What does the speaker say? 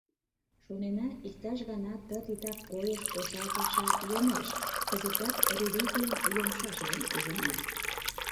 Шонена: иктаж гана ты титак койыш, осал паша йомеш; кызытат религийын йомшашыжым ужына.